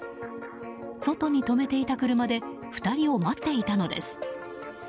外に止めていた車で２人を待っていたのです。